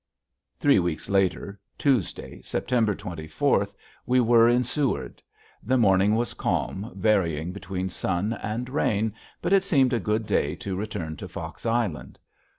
Three weeks later, Tuesday, September twenty fourth, we were in Seward. The morning was calm varying between sun and rain, but it seemed a good day to return to Fox Island.